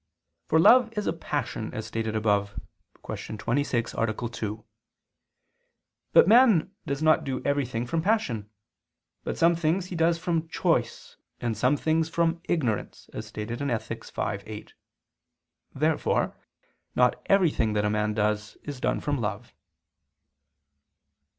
For love is a passion, as stated above (Q. 26, A. 2). But man does not do everything from passion: but some things he does from choice, and some things from ignorance, as stated in Ethic. v, 8. Therefore not everything that a man does, is done from love.